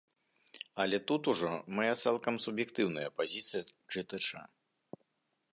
Але тут ужо мая цалкам суб'ектыўная пазіцыя чытача.